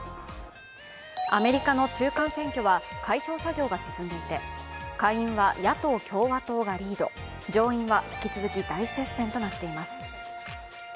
アメリカの中間選挙は開票作業が続いていて下院は野党・共和党がリード上院は引き続き大接戦となっています。